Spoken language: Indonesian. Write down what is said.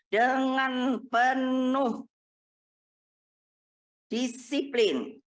dengan penuh disiplin